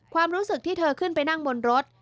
ความรู้สึกที่เธอขึ้นไปนั่งบนรถ